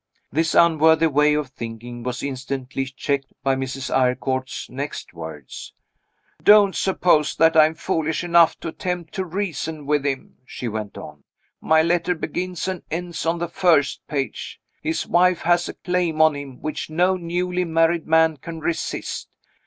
This unworthy way of thinking was instantly checked by Mrs. Eyrecourt's next words. "Don't suppose that I am foolish enough to attempt to reason with him," she went on. "My letter begins and ends on the first page. His wife has a claim on him, which no newly married man can resist.